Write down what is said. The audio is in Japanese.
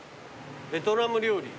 ベトナム料理。